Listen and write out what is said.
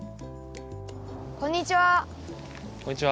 こんにちは。